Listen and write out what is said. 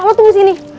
lo tunggu sini